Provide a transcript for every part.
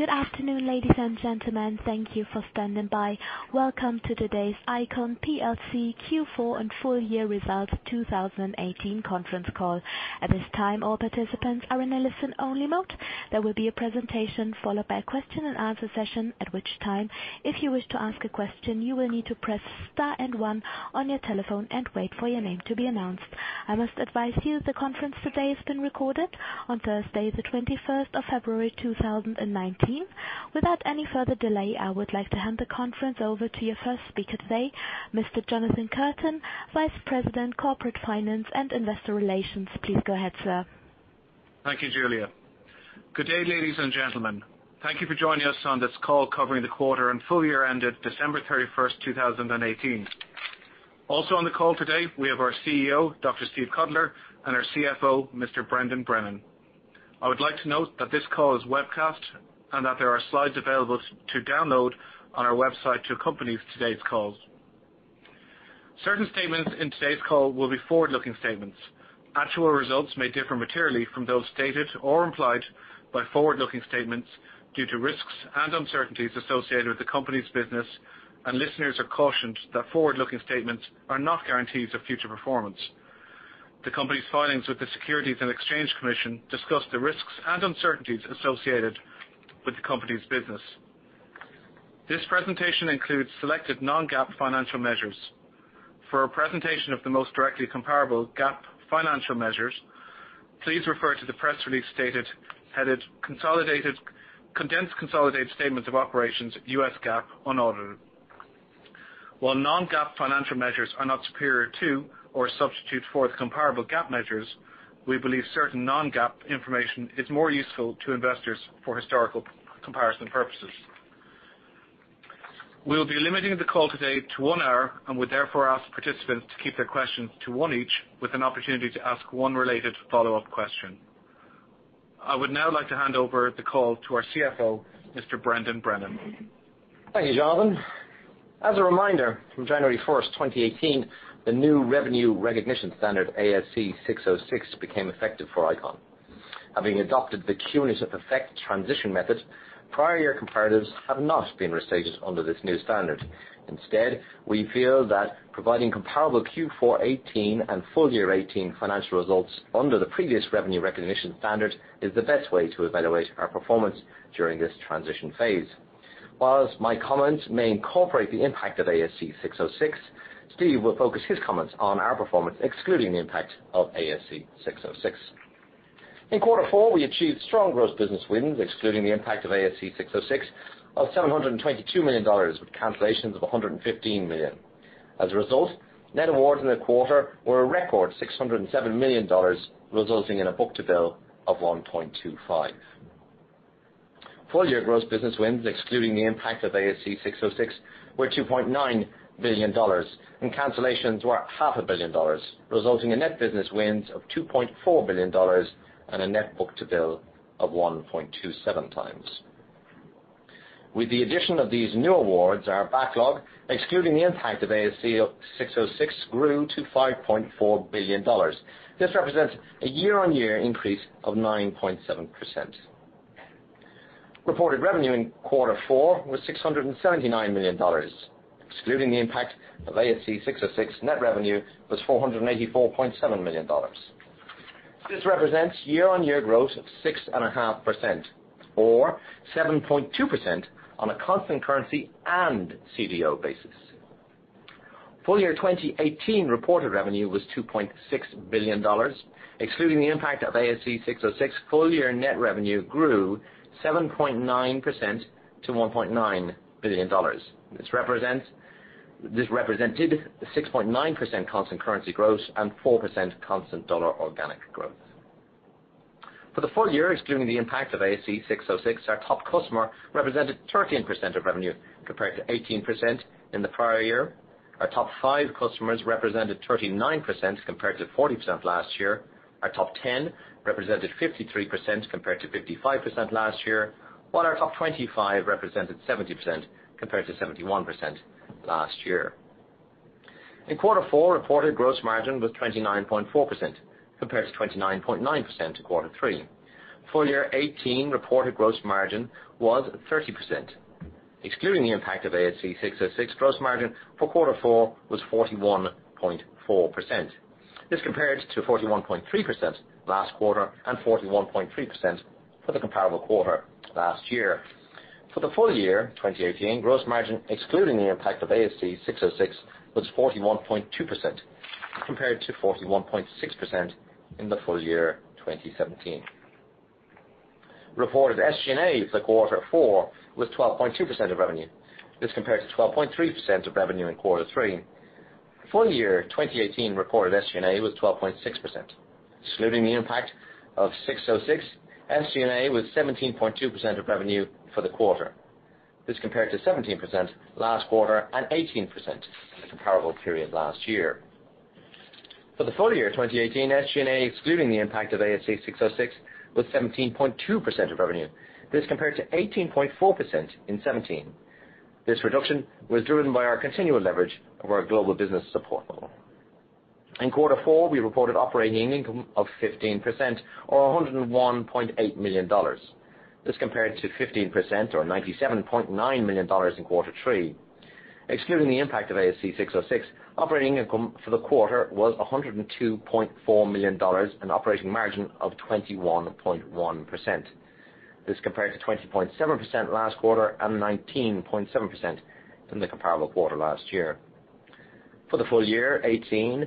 Good afternoon, ladies and gentlemen. Thank you for standing by. Welcome to today's ICON plc Q4 and full year results 2018 conference call. At this time, all participants are in a listen only mode. There will be a presentation followed by a question and answer session. At which time, if you wish to ask a question, you will need to press star and one on your telephone and wait for your name to be announced. I must advise you the conference today has been recorded on Thursday, the 21st of February, 2019. Without any further delay, I would like to hand the conference over to your first speaker today, Mr. Jonathan Curtain, Vice President, Corporate Finance and Investor Relations. Please go ahead, sir. Thank you, Julia. Good day, ladies and gentlemen. Thank you for joining us on this call covering the quarter and full year ended December 31st, 2018. Also on the call today, we have our CEO, Dr. Steve Cutler, and our CFO, Mr. Brendan Brennan. I would like to note that this call is webcast and that there are slides available to download on our website to accompany today's call. Certain statements in today's call will be forward-looking statements. Actual results may differ materially from those stated or implied by forward-looking statements due to risks and uncertainties associated with the company's business, and listeners are cautioned that forward-looking statements are not guarantees of future performance. The company's filings with the Securities and Exchange Commission discuss the risks and uncertainties associated with the company's business. This presentation includes selected non-GAAP financial measures. For a presentation of the most directly comparable GAAP financial measures, please refer to the press release headed Condensed Consolidated Statements of Operations, U.S. GAAP, unaudited. While non-GAAP financial measures are not superior to or a substitute for the comparable GAAP measures, we believe certain non-GAAP information is more useful to investors for historical comparison purposes. We will be limiting the call today to one hour and would therefore ask participants to keep their questions to one each with an opportunity to ask one related follow-up question. I would now like to hand over the call to our CFO, Mr. Brendan Brennan. Thank you, Jonathan. As a reminder, from January 1st, 2018, the new revenue recognition standard, ASC 606, became effective for ICON. Having adopted the cumulative effect transition method, prior year comparatives have not been restated under this new standard. Instead, we feel that providing comparable Q4 2018 and full year 2018 financial results under the previous revenue recognition standard is the best way to evaluate our performance during this transition phase. Whilst my comments may incorporate the impact of ASC 606, Steve will focus his comments on our performance, excluding the impact of ASC 606. In quarter four, we achieved strong gross business wins, excluding the impact of ASC 606, of $722 million, with cancellations of $115 million. As a result, net awards in the quarter were a record $607 million, resulting in a book-to-bill of 1.25. Full year gross business wins, excluding the impact of ASC 606, were $2.9 billion. Cancellations were half a billion dollars, resulting in net business wins of $2.4 billion and a net book-to-bill of 1.27 times. With the addition of these new awards, our backlog, excluding the impact of ASC 606, grew to $5.4 billion. This represents a year-on-year increase of 9.7%. Reported revenue in quarter four was $679 million. Excluding the impact of ASC 606, net revenue was $484.7 million. This represents year-on-year growth of 6.5%, or 7.2% on a constant currency and CDO basis. Full year 2018 reported revenue was $2.6 billion. Excluding the impact of ASC 606, full year net revenue grew 7.9% to $1.9 billion. This represented the 6.9% constant currency growth and 4% constant dollar organic growth. For the full year, excluding the impact of ASC 606, our top customer represented 13% of revenue, compared to 18% in the prior year. Our top five customers represented 39% compared to 40% last year. Our top 10 represented 53% compared to 55% last year. While our top 25 represented 70% compared to 71% last year. In quarter four, reported gross margin was 29.4% compared to 29.9% in quarter three. Full year 2018 reported gross margin was 30%. Excluding the impact of ASC 606, gross margin for quarter four was 41.4%. This compared to 41.3% last quarter and 41.3% for the comparable quarter last year. For the full year 2018, gross margin, excluding the impact of ASC 606, was 41.2% compared to 41.6% in the full year 2017. Reported SG&A for quarter four was 12.2% of revenue. This compares to 12.3% of revenue in quarter three. Full year 2018 reported SG&A was 12.6%. Excluding the impact of ASC 606, SG&A was 17.2% of revenue for the quarter. This compared to 17% last quarter and 18% in the comparable period last year. For the full year 2018, SG&A, excluding the impact of ASC 606, was 17.2% of revenue. This compared to 18.4% in 2017. This reduction was driven by our continual leverage of our global business support model. In quarter four, we reported operating income of 15% or $101.8 million. This compared to 15% or $97.9 million in quarter three. Excluding the impact of ASC 606, operating income for the quarter was $102.4 million, an operating margin of 21.1%. This compared to 20.7% last quarter and 19.7% in the comparable quarter last year. For the full year 2018,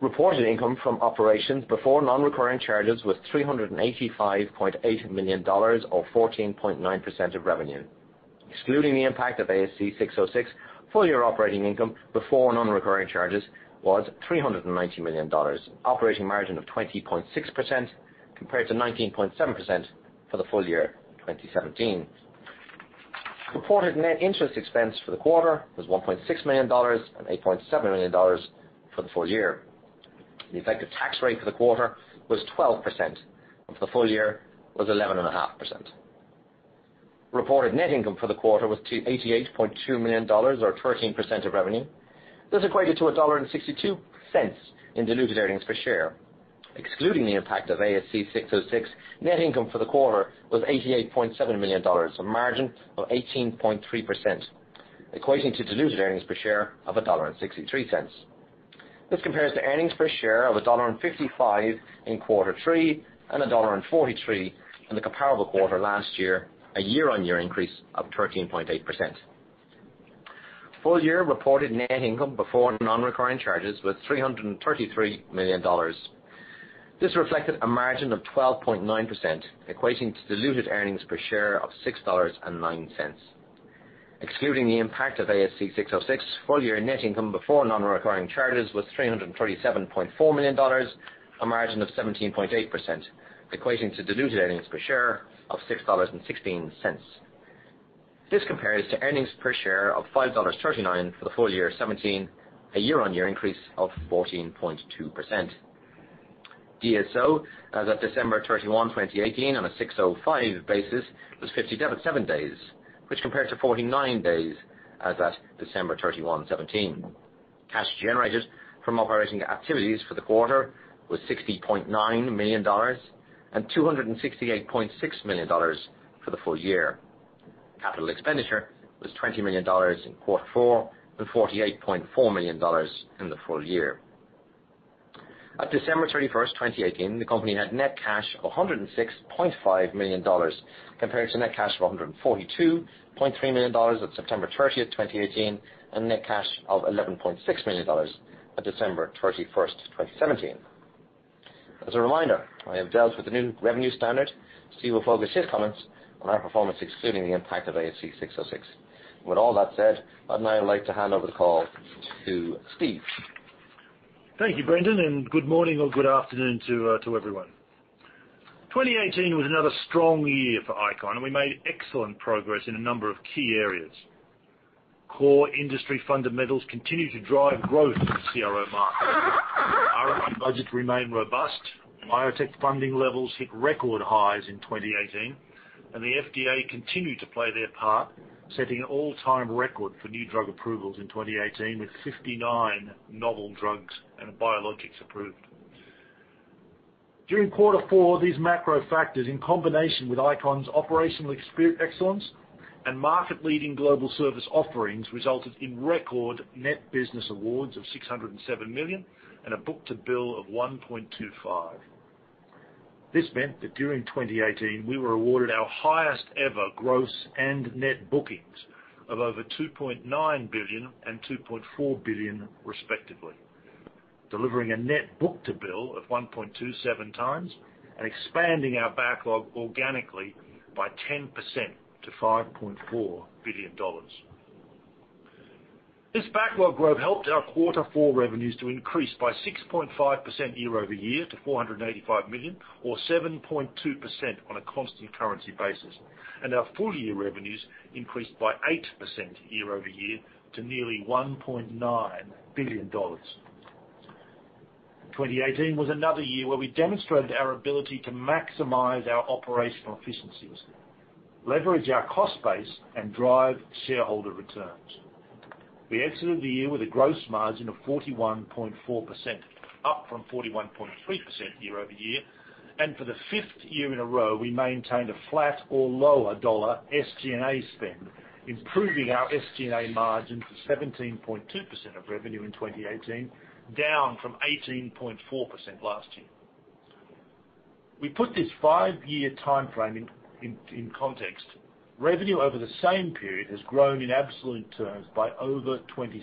reported income from operations before non-recurring charges was $385.8 million or 14.9% of revenue. Excluding the impact of ASC 606, full-year operating income before non-recurring charges was $390 million, operating margin of 20.6% compared to 19.7% for the full year 2017. Reported net interest expense for the quarter was $1.6 million and $8.7 million for the full year. The effective tax rate for the quarter was 12%, and for the full year was 11.5%. Reported net income for the quarter was $88.2 million or 13% of revenue. This equated to $1.62 in diluted earnings per share. Excluding the impact of ASC 606, net income for the quarter was $88.7 million, a margin of 18.3%, equating to diluted earnings per share of $1.63. This compares to earnings per share of $1.55 in quarter three and $1.43 in the comparable quarter last year, a year-on-year increase of 13.8%. Full-year reported net income before non-recurring charges was $333 million. This reflected a margin of 12.9%, equating to diluted earnings per share of $6.09. Excluding the impact of ASC 606, full-year net income before non-recurring charges was $337.4 million, a margin of 17.8%, equating to diluted earnings per share of $6.16. This compares to earnings per share of $5.39 for the full year 2017, a year-over-year increase of 14.2%. DSO as of December 31, 2018, on an ASC 605 basis was 57 days, which compared to 49 days as at December 31, 2017. Cash generated from operating activities for the quarter was $60.9 million and $268.6 million for the full year. Capital expenditure was $20 million in quarter four and $48.4 million in the full year. At December 31st, 2018, the company had net cash of $106.5 million compared to net cash of $142.3 million at September 30th, 2018, and net cash of $11.6 million at December 31st, 2017. As a reminder, I have dealt with the new revenue standard. You will focus your comments on our performance excluding the impact of ASC 606. With all that said, I'd now like to hand over the call to Steve. Thank you, Brendan. Good morning or good afternoon to everyone. 2018 was another strong year for ICON. We made excellent progress in a number of key areas. Core industry fundamentals continue to drive growth in the CRO market. R&D budgets remain robust, biotech funding levels hit record highs in 2018. The FDA continued to play their part, setting an all-time record for new drug approvals in 2018, with 59 novel drugs and biologics approved. During quarter four, these macro factors, in combination with ICON's operational excellence and market-leading global service offerings, resulted in record net business awards of $607 million and a book-to-bill of 1.25. This meant that during 2018, we were awarded our highest-ever gross and net bookings of over $2.9 billion and $2.4 billion respectively, delivering a net book-to-bill of 1.27 times and expanding our backlog organically by 10% to $5.4 billion. This backlog growth helped our quarter four revenues to increase by 6.5% year-over-year to $485 million or 7.2% on a constant currency basis. Our full-year revenues increased by 8% year-over-year to nearly $1.9 billion. 2018 was another year where we demonstrated our ability to maximize our operational efficiencies, leverage our cost base, and drive shareholder returns. We exited the year with a gross margin of 41.4%, up from 41.3% year-over-year. For the fifth year in a row, we maintained a flat or lower dollar SG&A spend, improving our SG&A margin to 17.2% of revenue in 2018, down from 18.4% last year. We put this five-year timeframe in context. Revenue over the same period has grown in absolute terms by over 26%.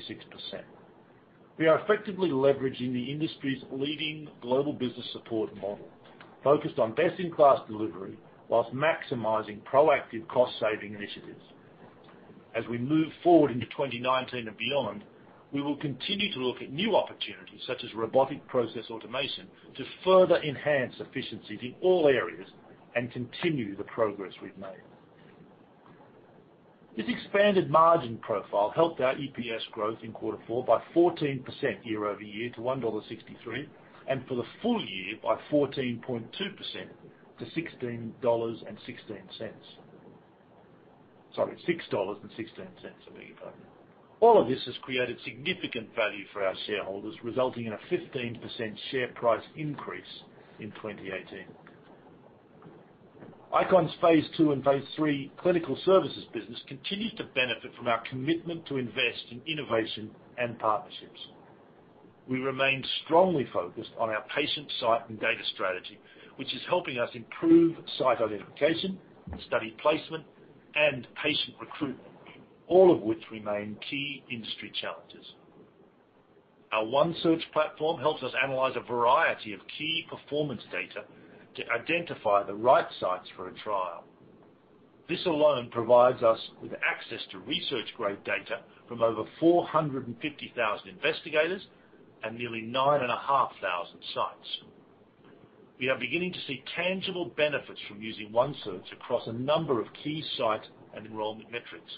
We are effectively leveraging the industry's leading global business support model, focused on best-in-class delivery whilst maximizing proactive cost-saving initiatives. As we move forward into 2019 and beyond, we will continue to look at new opportunities such as robotic process automation to further enhance efficiencies in all areas and continue the progress we've made. This expanded margin profile helped our EPS growth in Q4 by 14% year-over-year to $1.63, and for the full year by 14.2% to $16.16. Sorry, $6.16, I beg your pardon. All of this has created significant value for our shareholders, resulting in a 15% share price increase in 2018. ICON's phase II and phase III clinical services business continues to benefit from our commitment to invest in innovation and partnerships. We remain strongly focused on our patient site and data strategy, which is helping us improve site identification, study placement, and patient recruitment, all of which remain key industry challenges. Our OneSearch platform helps us analyze a variety of key performance data to identify the right sites for a trial. This alone provides us with access to research-grade data from over 450,000 investigators and nearly 9,500 sites. We are beginning to see tangible benefits from using OneSearch across a number of key site and enrollment metrics.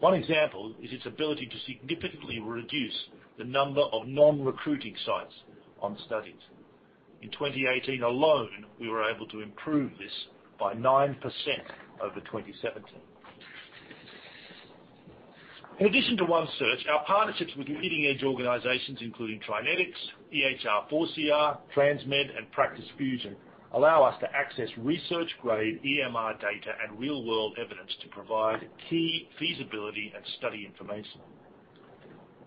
One example is its ability to significantly reduce the number of non-recruiting sites on studies. In 2018 alone, we were able to improve this by 9% over 2017. In addition to OneSearch, our partnerships with leading-edge organizations including TriNetX, EHR4CR, TransMed, and Practice Fusion allow us to access research-grade EMR data and real-world evidence to provide key feasibility and study information.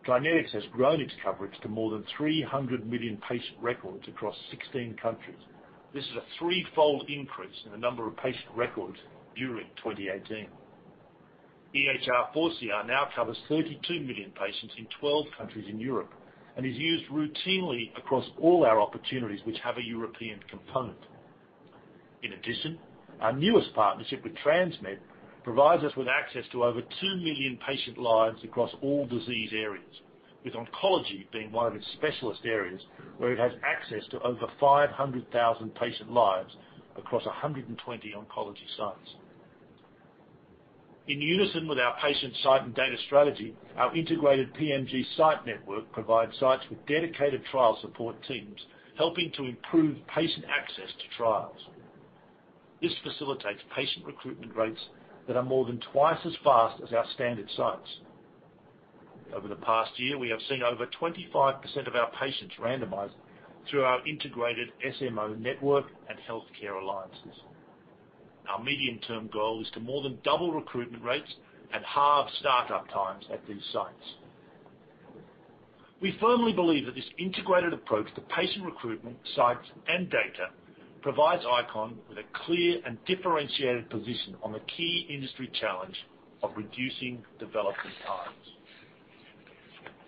TriNetX has grown its coverage to more than 300 million patient records across 16 countries. This is a threefold increase in the number of patient records during 2018. EHR4CR now covers 32 million patients in 12 countries in Europe, and is used routinely across all our opportunities which have a European component. In addition, our newest partnership with TransMed provides us with access to over 2 million patient lives across all disease areas, with oncology being one of its specialist areas, where it has access to over 500,000 patient lives across 120 oncology sites. In unison with our patient site and data strategy, our integrated PMG site network provides sites with dedicated trial support teams, helping to improve patient access to trials. This facilitates patient recruitment rates that are more than twice as fast as our standard sites. Over the past year, we have seen over 25% of our patients randomized through our integrated SMO network and healthcare alliances. Our medium-term goal is to more than double recruitment rates and halve start-up times at these sites. We firmly believe that this integrated approach to patient recruitment, sites, and data provides ICON with a clear and differentiated position on the key industry challenge of reducing development times.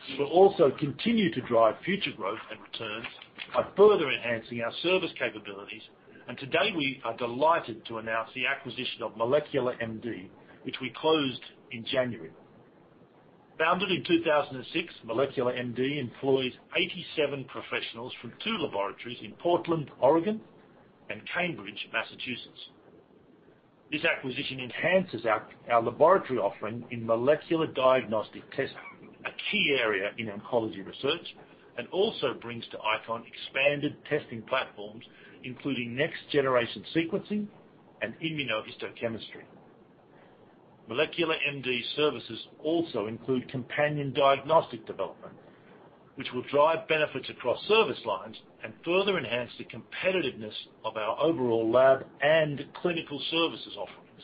We will also continue to drive future growth and returns by further enhancing our service capabilities, and today we are delighted to announce the acquisition of MolecularMD, which we closed in January. Founded in 2006, MolecularMD employs 87 professionals from two laboratories in Portland, Oregon, and Cambridge, Massachusetts. This acquisition enhances our laboratory offering in molecular diagnostic testing, a key area in oncology research, and also brings to ICON expanded testing platforms, including next-generation sequencing and immunohistochemistry. MolecularMD's services also include companion diagnostic development, which will drive benefits across service lines and further enhance the competitiveness of our overall lab and clinical services offerings.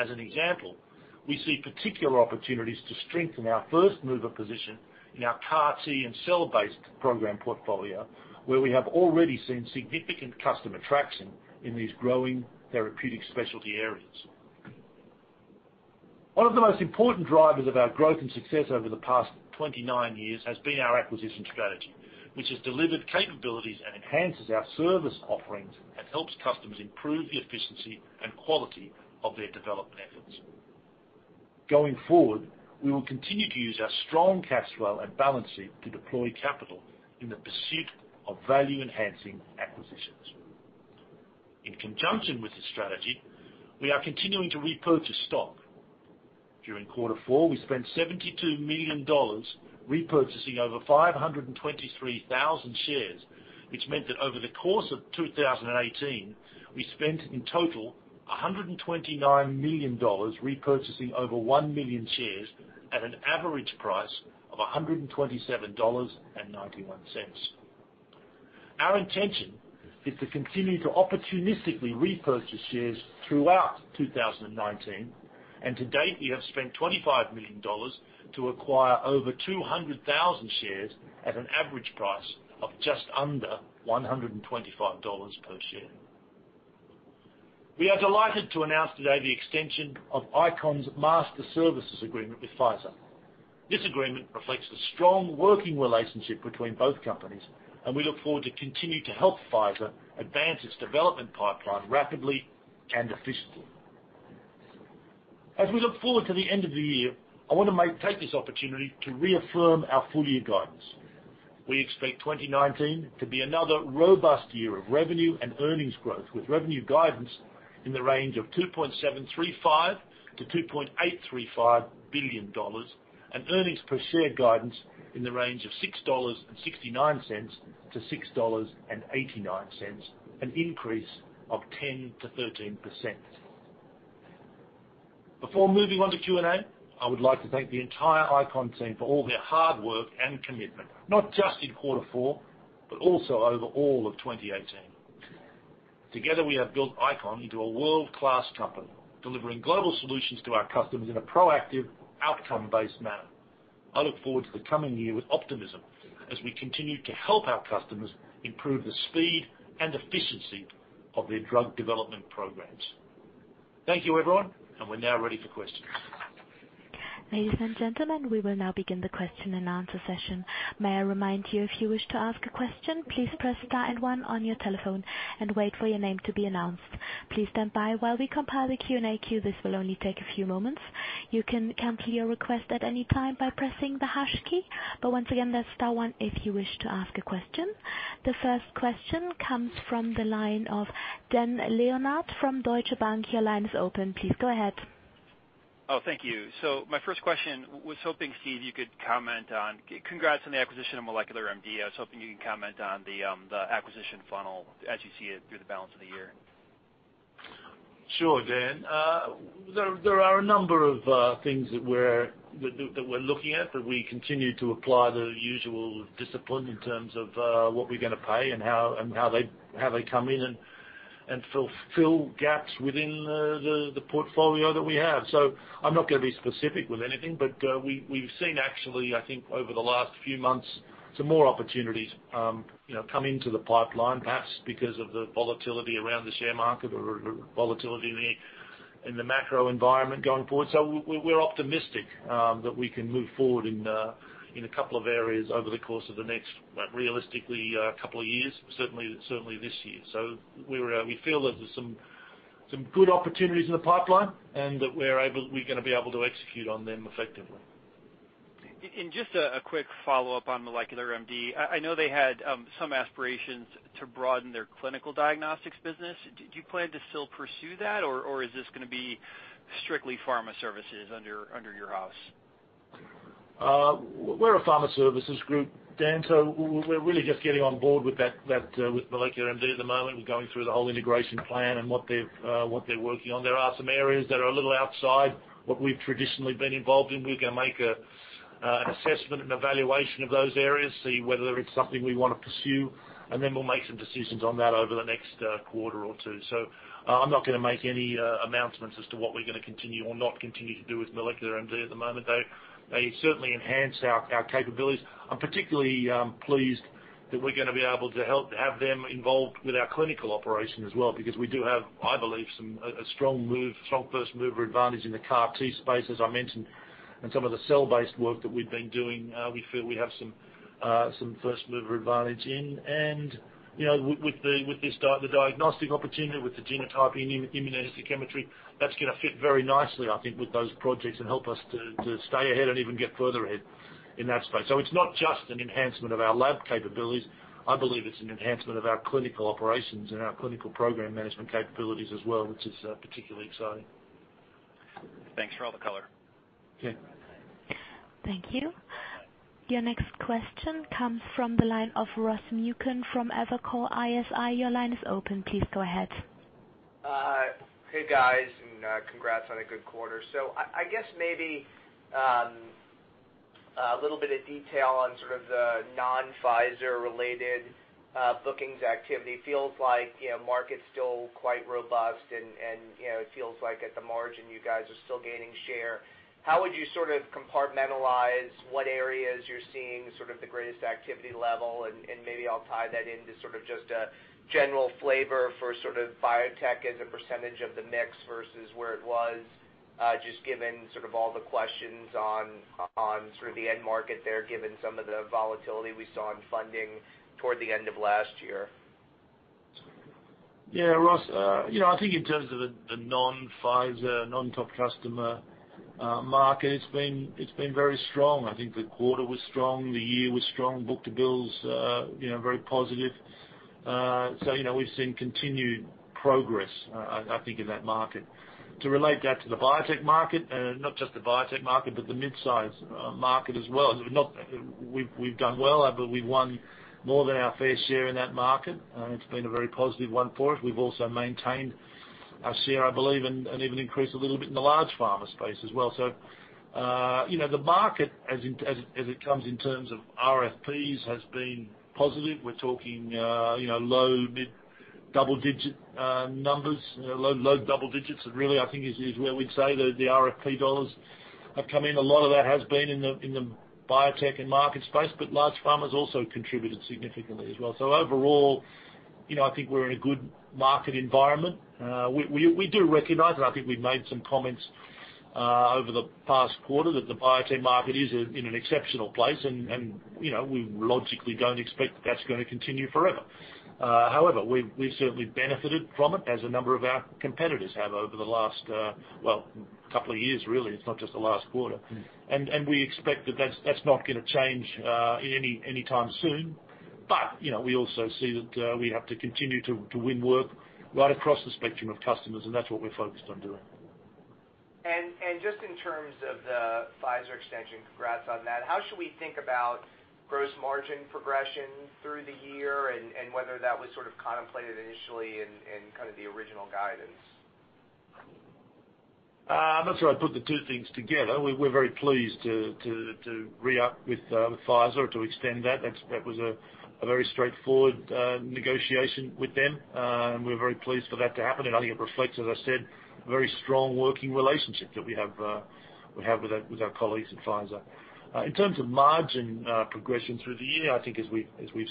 As an example, we see particular opportunities to strengthen our first-mover position in our CAR T and cell-based program portfolio, where we have already seen significant customer traction in these growing therapeutic specialty areas. One of the most important drivers of our growth and success over the past 29 years has been our acquisition strategy, which has delivered capabilities and enhances our service offerings and helps customers improve the efficiency and quality of their development efforts. Going forward, we will continue to use our strong cash flow and balance sheet to deploy capital in the pursuit of value-enhancing acquisitions. In conjunction with this strategy, we are continuing to repurchase stock. During quarter four, we spent $72 million repurchasing over 523,000 shares, which meant that over the course of 2018, we spent in total $129 million repurchasing over one million shares at an average price of $127.91. Our intention is to continue to opportunistically repurchase shares throughout 2019, and to date, we have spent $25 million to acquire over 200,000 shares at an average price of just under $125 per share. We are delighted to announce today the extension of ICON's master services agreement with Pfizer. This agreement reflects the strong working relationship between both companies, and we look forward to continue to help Pfizer advance its development pipeline rapidly and efficiently. As we look forward to the end of the year, I want to take this opportunity to reaffirm our full-year guidance. We expect 2019 to be another robust year of revenue and earnings growth, with revenue guidance in the range of $2.735 billion to $2.835 billion and earnings per share guidance in the range of $6.69 to $6.89, an increase of 10% to 13%. Before moving on to Q&A, I would like to thank the entire ICON team for all their hard work and commitment, not just in quarter four, but also over all of 2018. Together, we have built ICON into a world-class company, delivering global solutions to our customers in a proactive outcome-based manner. I look forward to the coming year with optimism as we continue to help our customers improve the speed and efficiency of their drug development programs. Thank you, everyone, and we are now ready for questions. Ladies and gentlemen, we will now begin the question and answer session. May I remind you, if you wish to ask a question, please press star and one on your telephone and wait for your name to be announced. Please stand by while we compile the Q&A queue. This will only take a few moments. You can cancel your request at any time by pressing the hash key. But once again, that is star one if you wish to ask a question. The first question comes from the line of Dan Leonard from Deutsche Bank. Your line is open. Please go ahead. Thank you. My first question, was hoping, Steve, you could comment on, congrats on the acquisition of MolecularMD. I was hoping you could comment on the acquisition funnel as you see it through the balance of the year. Sure, Dan. There are a number of things that we're looking at, but we continue to apply the usual discipline in terms of what we're going to pay and how they come in and fulfill gaps within the portfolio that we have. I'm not going to be specific with anything, but we've seen actually, I think over the last few months, some more opportunities come into the pipeline, perhaps because of the volatility around the share market or volatility in the macro environment going forward. We're optimistic that we can move forward in a couple of areas over the course of the next, realistically, couple of years. Certainly this year. We feel that there's some good opportunities in the pipeline and that we're going to be able to execute on them effectively. Just a quick follow-up on MolecularMD. I know they had some aspirations to broaden their clinical diagnostics business. Do you plan to still pursue that, or is this going to be strictly pharma services under your house? We're a pharma services group, Dan, so we're really just getting on board with MolecularMD at the moment. We're going through the whole integration plan and what they're working on. There are some areas that are a little outside what we've traditionally been involved in. We can make an assessment and evaluation of those areas, see whether it's something we want to pursue, and then we'll make some decisions on that over the next quarter or two. I'm not going to make any announcements as to what we're going to continue or not continue to do with MolecularMD at the moment. They certainly enhance our capabilities. I'm particularly pleased that we're going to be able to have them involved with our clinical operation as well, because we do have, I believe, a strong first-mover advantage in the CAR T space, as I mentioned, and some of the cell-based work that we've been doing, we feel we have some first-mover advantage in. With the diagnostic opportunity, with the genotyping immunohistochemistry, that's going to fit very nicely, I think, with those projects and help us to stay ahead and even get further ahead in that space. It's not just an enhancement of our lab capabilities. I believe it's an enhancement of our clinical operations and our clinical program management capabilities as well, which is particularly exciting. Thanks for all the color. Yeah. Thank you. Your next question comes from the line of Ross Muken from Evercore ISI. Your line is open. Please go ahead. Hey, guys, and congrats on a good quarter. I guess maybe a little bit of detail on sort of the non-Pfizer related bookings activity. Feels like market's still quite robust and it feels like at the margin, you guys are still gaining share. How would you sort of compartmentalize what areas you're seeing sort of the greatest activity level, and maybe I'll tie that into sort of just a general flavor for sort of biotech as a % of the mix versus where it was, just given sort of all the questions on sort of the end market there, given some of the volatility we saw in funding toward the end of last year. Ross, I think in terms of the non-Pfizer, non-top customer market, it's been very strong. I think the quarter was strong, the year was strong. Book-to-bill's very positive. We've seen continued progress, I think, in that market. To relate that to the biotech market, not just the biotech market, but the midsize market as well, we've done well. I believe we've won more than our fair share in that market, and it's been a very positive one for us. We've also maintained our share, I believe, and even increased a little bit in the large pharma space as well. The market, as it comes in terms of RFPs, has been positive. We're talking low mid-double-digit numbers. Low double digits really, I think, is where we'd say the RFP dollars have come in. A lot of that has been in the biotech and market space, but large pharma's also contributed significantly as well. Overall, I think we're in a good market environment. We do recognize it. I think we've made some comments over the past quarter that the biotech market is in an exceptional place, and we logically don't expect that's going to continue forever. However, we've certainly benefited from it as a number of our competitors have over the last, well, couple of years, really. It's not just the last quarter. We expect that that's not going to change any time soon. We also see that we have to continue to win work right across the spectrum of customers, and that's what we're focused on doing. Just in terms of the Pfizer extension, congrats on that. How should we think about gross margin progression through the year and whether that was sort of contemplated initially in kind of the original guidance? I'm not sure I'd put the two things together. We're very pleased to re-up with Pfizer to extend that. That was a very straightforward negotiation with them, and we're very pleased for that to happen, and I think it reflects, as I said, a very strong working relationship that we have with our colleagues at Pfizer. In terms of margin progression through the year, I think as we've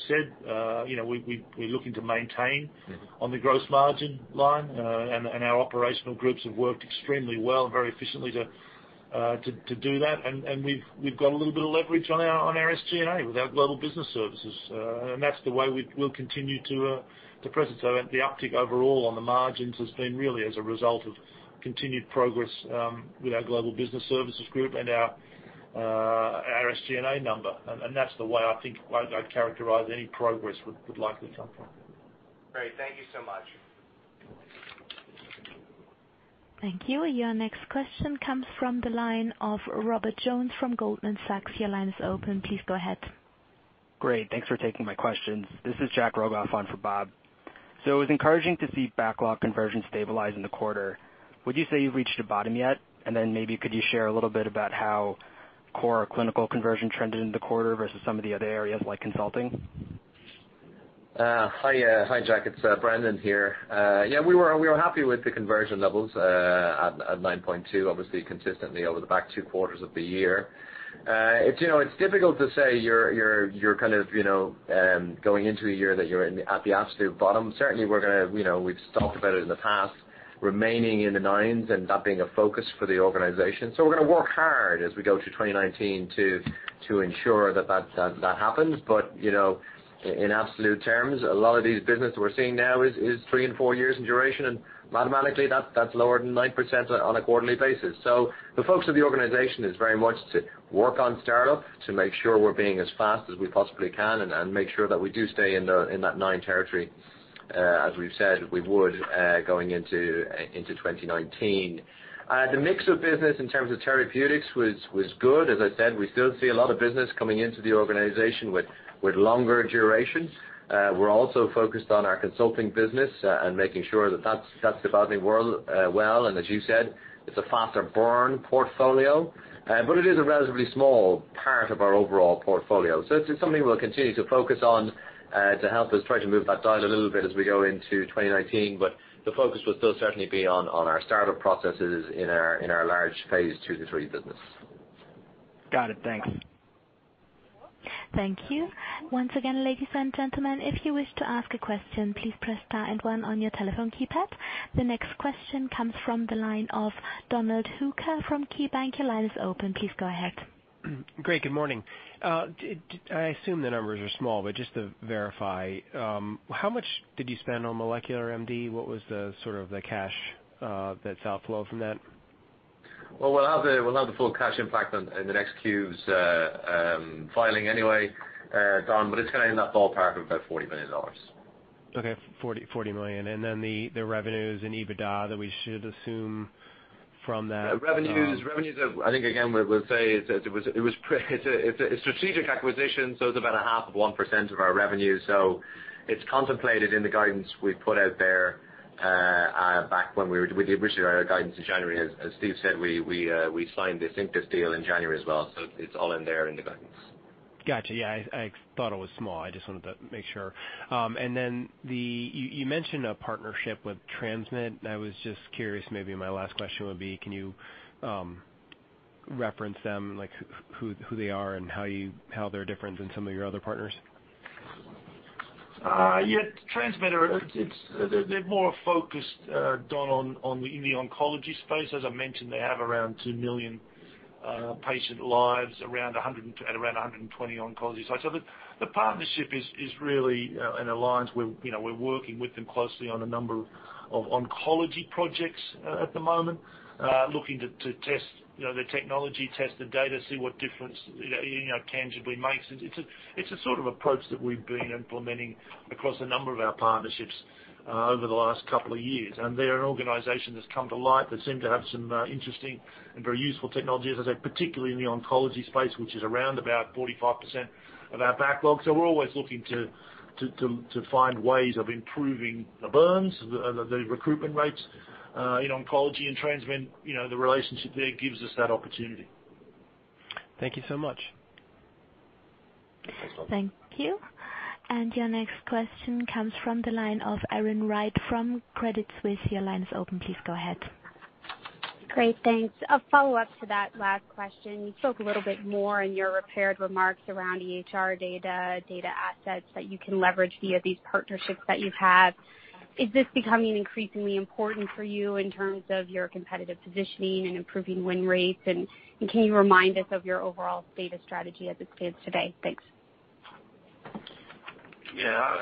said, we're looking to maintain on the gross margin line. Our operational groups have worked extremely well and very efficiently to do that, and we've got a little bit of leverage on our SG&A with our global business services. That's the way we'll continue to progress. The uptick overall on the margins has been really as a result of continued progress with our global business services group and our SG&A number. That's the way I think I'd characterize any progress would likely come from. Great. Thank you so much. Thank you. Your next question comes from the line of Robert Jones from Goldman Sachs. Your line is open. Please go ahead. Great. Thanks for taking my questions. This is Jack Rogov on for Bob. It was encouraging to see backlog conversion stabilize in the quarter. Would you say you've reached a bottom yet? Then maybe could you share a little bit about how core clinical conversion trended in the quarter versus some of the other areas like consulting? Hi, Jack, it's Brendan here. We were happy with the conversion levels at 9.2%, obviously consistently over the back two quarters of the year. It's difficult to say you're going into a year that you're at the absolute bottom. Certainly, we've talked about it in the past, remaining in the 9s and that being a focus for the organization. We're going to work hard as we go to 2019 to ensure that that happens. In absolute terms, a lot of this business we're seeing now is three and four years in duration, and mathematically, that's lower than 9% on a quarterly basis. The focus of the organization is very much to work on startup to make sure we're being as fast as we possibly can and make sure that we do stay in that 9 territory, as we've said we would, going into 2019. The mix of business in terms of therapeutics was good. As I said, we still see a lot of business coming into the organization with longer durations. We're also focused on our consulting business and making sure that's developing well. As you said, it's a faster burn portfolio. It is a relatively small part of our overall portfolio, so it's something we'll continue to focus on to help us try to move that dial a little bit as we go into 2019. The focus will still certainly be on our startup processes in our large phase II to III business. Got it. Thanks. Thank you. Once again, ladies and gentlemen, if you wish to ask a question, please press star and one on your telephone keypad. The next question comes from the line of Donald Hooker from KeyBanc. Your line is open. Please go ahead. Great. Good morning. I assume the numbers are small, but just to verify, how much did you spend on MolecularMD? What was the sort of the cash that's outflow from that? We'll have the full cash impact in the next Q's filing anyway, Don, but it's going to be in that ballpark of about $40 million. Okay, $40 million. The revenues and EBITDA that we should assume from that. Revenues, I think, again, we'll say it's a strategic acquisition, so it's about a half of 1% of our revenue. It's contemplated in the guidance we put out there back when we were with the original guidance in January. As Steve said, we signed this Intus deal in January as well, so it's all in there in the guidance. Got you. I thought it was small. I just wanted to make sure. Then you mentioned a partnership with TransMed. I was just curious, maybe my last question would be, can you reference them, like who they are and how they're different than some of your other partners? TransMed, they're more focused, Don, in the oncology space. As I mentioned, they have around 2 million patient lives at around 120 oncology sites. The partnership is really an alliance where we're working with them closely on a number of oncology projects at the moment. Looking to test the technology, test the data, see what difference it tangibly makes. It's a sort of approach that we've been implementing across a number of our partnerships over the last couple of years. They're an organization that's come to light that seem to have some interesting and very useful technologies, as I said, particularly in the oncology space, which is around about 45% of our backlog. We're always looking to find ways of improving the burns, the recruitment rates in oncology, and TransMed, the relationship there gives us that opportunity. Thank you so much. Thanks, Don. Thank you. Your next question comes from the line of Erin Wright from Credit Suisse. Your line is open. Please go ahead. Great. Thanks. A follow-up to that last question. You spoke a little bit more in your prepared remarks around EHR data assets that you can leverage via these partnerships that you have. Is this becoming increasingly important for you in terms of your competitive positioning and improving win rates? Can you remind us of your overall data strategy as it stands today? Thanks. Yeah.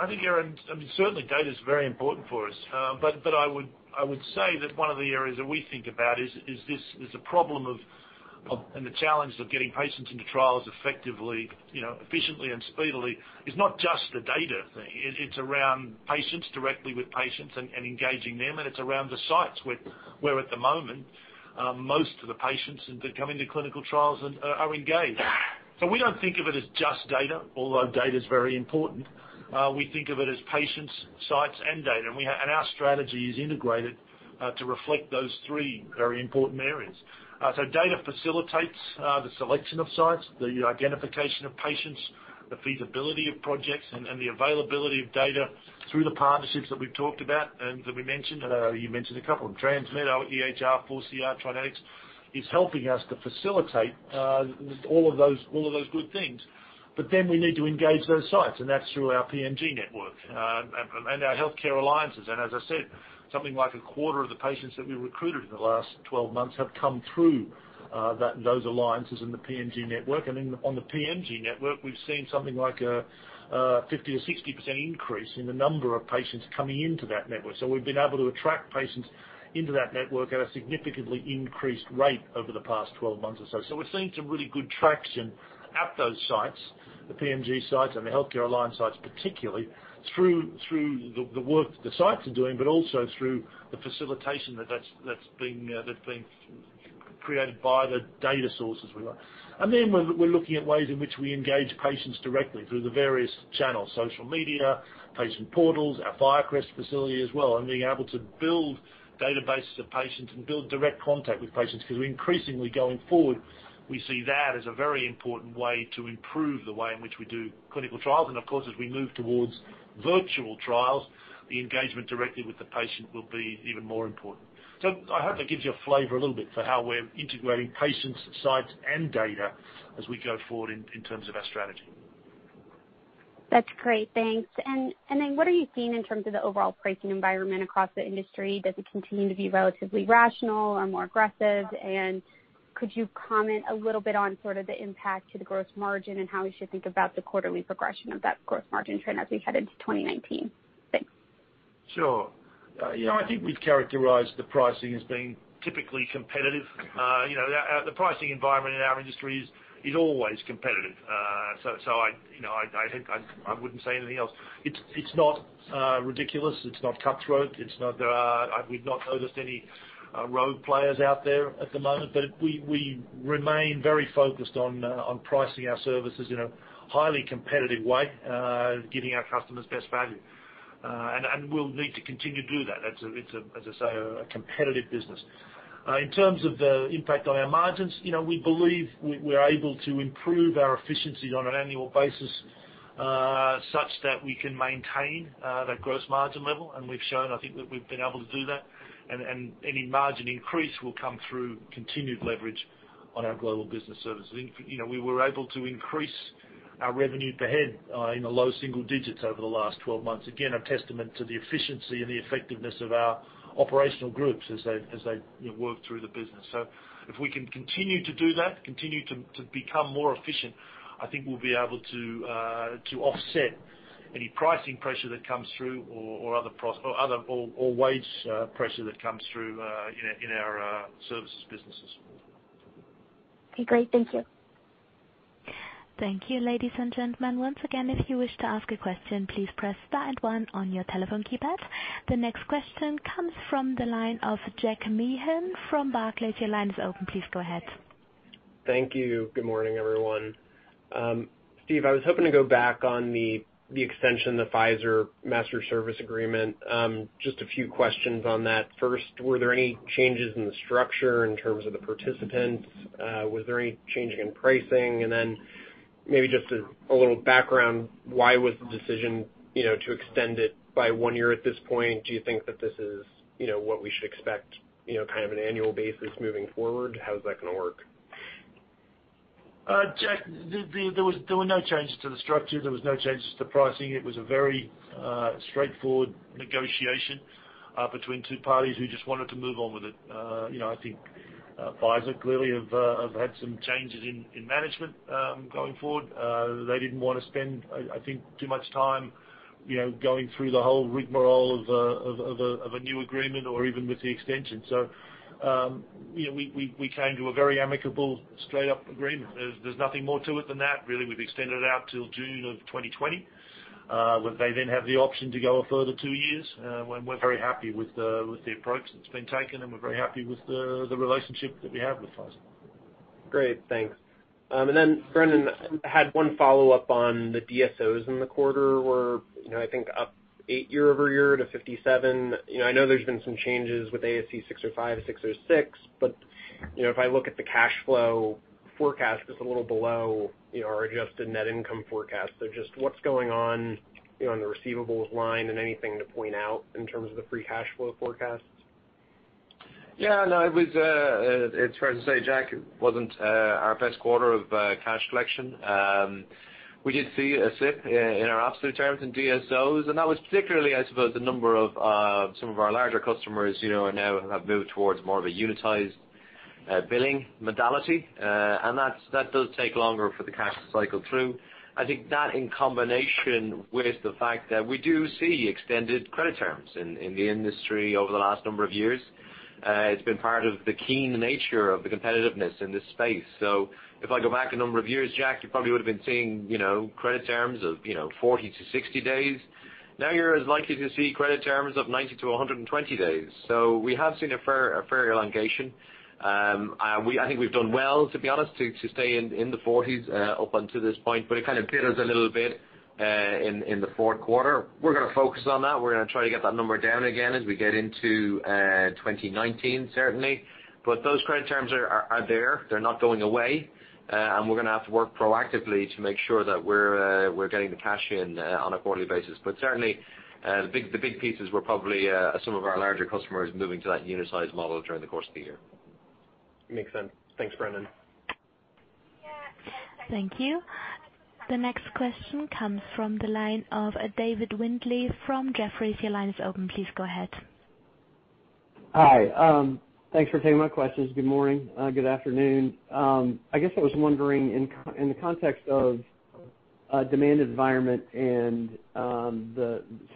I think, Erin, certainly data is very important for us. I would say that one of the areas that we think about is the problem of, and the challenge of getting patients into trials effectively, efficiently, and speedily is not just a data thing. It's around patients, directly with patients and engaging them, and it's around the sites where at the moment, most of the patients that come into clinical trials are engaged. We don't think of it as just data, although data is very important. We think of it as patients, sites, and data. Our strategy is integrated to reflect those three very important areas. Data facilitates the selection of sites, the identification of patients, the feasibility of projects, and the availability of data through the partnerships that we've talked about and that we mentioned. You mentioned a couple of them, TransMed, our EHR4CR, TriNetX, is helping us to facilitate all of those good things. We need to engage those sites, and that's through our PMG network and our healthcare alliances. As I said, something like a quarter of the patients that we recruited in the last 12 months have come through those alliances in the PMG network. On the PMG network, we've seen something like a 50%-60% increase in the number of patients coming into that network. We've been able to attract patients into that network at a significantly increased rate over the past 12 months or so. We're seeing some really good traction at those sites, the PMG sites and the healthcare alliance sites particularly, through the work that the sites are doing, but also through the facilitation that's been created by the data sources we've got. We're looking at ways in which we engage patients directly through the various channels, social media, patient portals, our FIRECREST facility as well, and being able to build databases of patients and build direct contact with patients. Increasingly going forward, we see that as a very important way to improve the way in which we do clinical trials. Of course, as we move towards virtual trials, the engagement directly with the patient will be even more important. I hope that gives you a flavor a little bit for how we're integrating patients, sites, and data as we go forward in terms of our strategy. That's great. Thanks. What are you seeing in terms of the overall pricing environment across the industry? Does it continue to be relatively rational or more aggressive? Could you comment a little bit on sort of the impact to the gross margin and how we should think about the quarterly progression of that gross margin trend as we head into 2019? Thanks. Sure. I think we'd characterize the pricing as being typically competitive. The pricing environment in our industry is always competitive. I wouldn't say anything else. It's not ridiculous. It's not cutthroat. We've not noticed any rogue players out there at the moment. We remain very focused on pricing our services in a highly competitive way, giving our customers best value. We'll need to continue to do that. It's, as I say, a competitive business. In terms of the impact on our margins, we believe we are able to improve our efficiency on an annual basis such that we can maintain that gross margin level, and we've shown, I think, that we've been able to do that. Any margin increase will come through continued leverage on our global business services. We were able to increase our revenue per head in the low single digits over the last 12 months. Again, a testament to the efficiency and the effectiveness of our operational groups as they work through the business. If we can continue to do that, continue to become more efficient, I think we'll be able to offset any pricing pressure that comes through or other wage pressure that comes through in our services businesses. Okay, great. Thank you. Thank you, ladies and gentlemen. Once again, if you wish to ask a question, please press star and one on your telephone keypad. The next question comes from the line of Jack Meehan from Barclays. Your line is open. Please go ahead. Thank you. Good morning, everyone. Steve, I was hoping to go back on the extension, the Pfizer master service agreement. Just a few questions on that. First, were there any changes in the structure in terms of the participants? Was there any changing in pricing? Then maybe just a little background, why was the decision to extend it by one year at this point? Do you think that this is what we should expect kind of an annual basis moving forward? How is that going to work? Jack, there were no changes to the structure. There was no changes to pricing. It was a very straightforward negotiation between two parties who just wanted to move on with it. I think Pfizer clearly have had some changes in management going forward. They didn't want to spend, I think too much time going through the whole rigmarole of a new agreement or even with the extension. We came to a very amicable, straight-up agreement. There's nothing more to it than that, really. We've extended it out till June of 2020, where they then have the option to go a further two years. We're very happy with the approach that's been taken, and we're very happy with the relationship that we have with Pfizer. Great, thanks. Brendan, had one follow-up on the DSOs in the quarter were I think up 8 year-over-year to 57. I know there's been some changes with ASC 605, ASC 606, but if I look at the cash flow forecast, it's a little below our adjusted net income forecast. Just what's going on on the receivables line and anything to point out in terms of the free cash flow forecast? It's fair to say, Jack, it wasn't our best quarter of cash collection. We did see a slip in our absolute terms in DSOs, that was particularly, I suppose, the number of some of our larger customers now have moved towards more of a unitized billing modality. That does take longer for the cash to cycle through. I think that in combination with the fact that we do see extended credit terms in the industry over the last number of years It's been part of the keen nature of the competitiveness in this space. If I go back a number of years, Jack, you probably would've been seeing credit terms of 40-60 days. Now you're as likely to see credit terms of 90-120 days. We have seen a fair elongation. I think we've done well, to be honest, to stay in the 40s up until this point, but it kind of faltered a little bit in the fourth quarter. We're going to focus on that. We're going to try to get that number down again as we get into 2019, certainly. Those credit terms are there. They're not going away. We're going to have to work proactively to make sure that we're getting the cash in on a quarterly basis. Certainly, the big pieces were probably some of our larger customers moving to that unitized model during the course of the year. Makes sense. Thanks, Brendan. Thank you. The next question comes from the line of David Windley from Jefferies. Your line is open. Please go ahead. Hi. Thanks for taking my questions. Good morning. Good afternoon. I guess I was wondering in the context of demand environment and,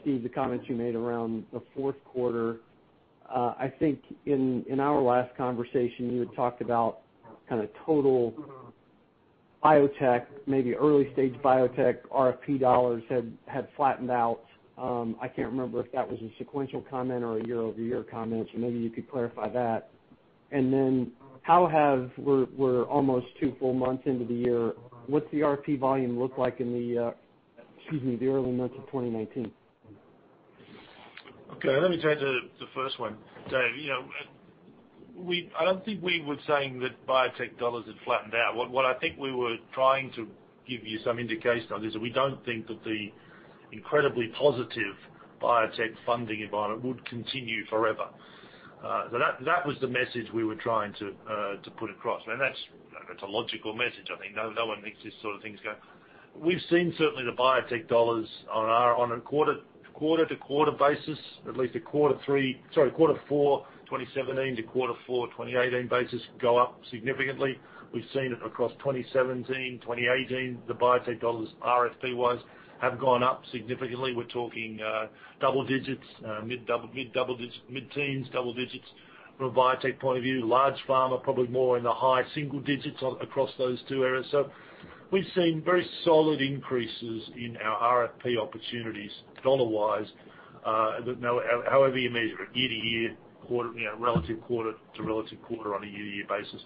Steve, the comments you made around the fourth quarter. I think in our last conversation, you had talked about total biotech, maybe early-stage biotech RFP dollars had flattened out. I can't remember if that was a sequential comment or a year-over-year comment, so maybe you could clarify that. Then we're almost two full months into the year. What's the RFP volume look like in the early months of 2019? Okay, let me turn to the first one, Dave. I don't think we were saying that biotech dollars had flattened out. What I think we were trying to give you some indication of is that we don't think that the incredibly positive biotech funding environment would continue forever. That was the message we were trying to put across. That's a logical message, I think. We've seen certainly the biotech dollars on a quarter-to-quarter basis, at least a quarter four 2017 to quarter four 2018 basis go up significantly. We've seen it across 2017, 2018. The biotech dollars, RFP-wise, have gone up significantly. We're talking double digits, mid-teens, double digits from a biotech point of view. Large pharma, probably more in the high single digits across those two areas. We've seen very solid increases in our RFP opportunities dollar-wise, however you measure it, year-to-year, relative quarter to relative quarter on a year-to-year basis.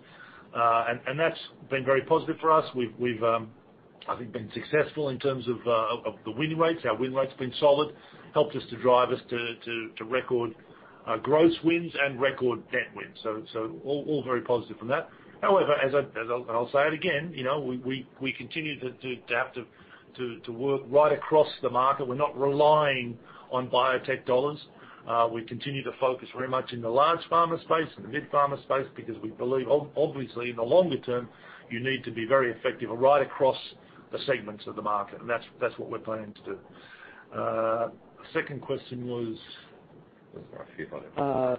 That's been very positive for us. We've, I think, been successful in terms of the win rates. Our win rate's been solid. Helped us drive us to record gross wins and record net wins. All very positive from that. However, and I'll say it again, we continue to adapt to work right across the market. We're not relying on biotech dollars. We continue to focus very much in the large pharma space, in the mid pharma space because we believe, obviously, in the longer term, you need to be very effective right across the segments of the market, and that's what we're planning to do. Second question was?